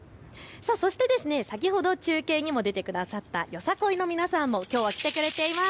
そして先ほど中継にも出てくださったＹＯＳＡＫＯＩの皆さんもきょうは来てくれています。